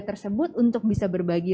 tersebut untuk bisa berbagi